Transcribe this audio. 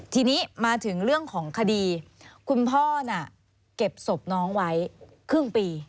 ทีนี้มาถึงเรื่องของคดีคุณพ่อน่ะเก็บศพน้องไว้ครึ่งปี